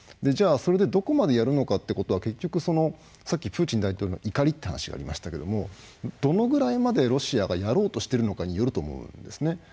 じゃあ、それでどこまでやるのかということはさっきプーチン大統領の怒りって話がありましたけどどのぐらいまでロシアがやろうとしているのかによると思うんです。